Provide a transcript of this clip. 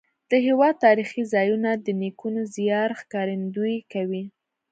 د هېواد تاریخي ځایونه د نیکونو زیار ښکارندویي کوي.